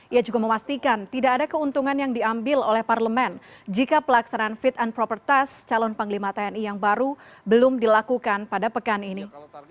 ia juga memastikan tidak ada keuntungan yang diambil oleh parlemen jika pelaksanaan fit and proper test calon panglima tni yang baru belum dilakukan pada pekan ini